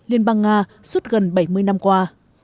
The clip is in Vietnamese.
liên bang nga suốt gần bảy mươi năm qua